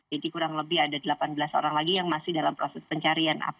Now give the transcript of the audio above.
jadi kurang lebih ada delapan belas orang lagi yang masih dalam proses pencarian